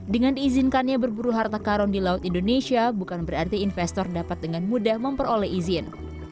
dengan diizinkannya berburu harta karun di laut indonesia bukan berarti investor dapat dengan mudah memperoleh izin